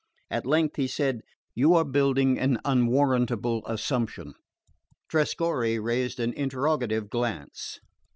At length he said: "You are building on an unwarrantable assumption." Trescorre raised an interrogative glance.